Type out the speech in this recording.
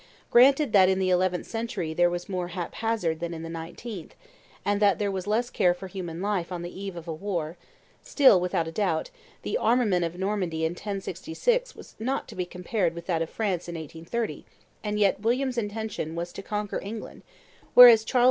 Granted that in the eleventh century there was more haphazard than in the nineteenth, and that there was less care for human life on the eve of a war; still, without a doubt, the armament of Normandy in 1066 was not to be compared with that of France in 1830, and yet William's intention was to conquer England, whereas Charles X.